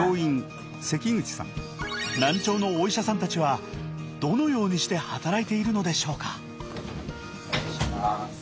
難聴のお医者さんたちはどのようにして働いているのでしょうか。